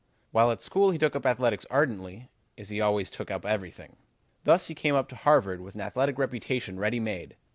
While at school he took up athletics ardently as he always took up everything. Thus he came up to Harvard with an athletic reputation ready made.